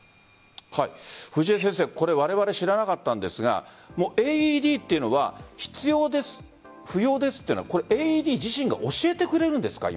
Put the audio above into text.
これわれわれ知らなかったんですがＡＥＤというのは必要です、不要ですというのはＡＥＤ自身が教えてくれるんですか？